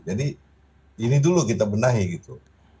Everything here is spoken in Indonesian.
jadi ini dulu kita benahi gitu